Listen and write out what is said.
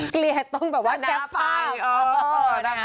เกลียดต้องแบบว่าแก๊ปไฟ